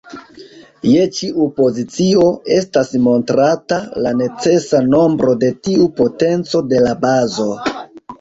Je ĉiu pozicio, estas montrata la necesa nombro de tiu potenco de la bazo.